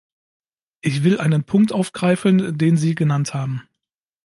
Ich will einen Punkt aufgreifen, den Sie genannt haben.